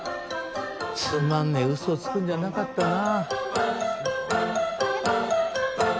つまんねえうそつくんじゃなかったな。